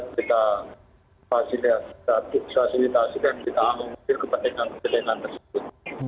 kita fasilitasi dan kita anuger kepentingan kepentingan tersebut